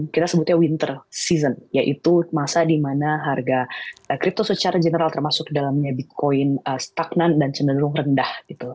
kita sebutnya winter season yaitu masa di mana harga crypto secara general termasuk dalamnya bitcoin stagnan dan cenderung rendah